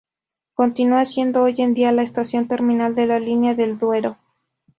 Continúa siendo hoy en día la estación terminal de la Línea del Duero.